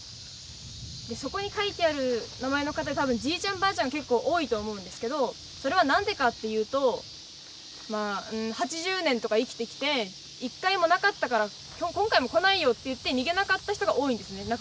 そこに書いてある名前の方多分じいちゃんばあちゃんが結構多いと思うんですけどそれはなんでかっていうとまあ８０年とか生きてきて一回もなかったから今回も来ないよっていって逃げなかった人が多いんですね。